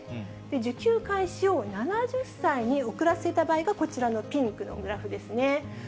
受給開始を７０歳に遅らせた場合がこちらのピンクのグラフですね。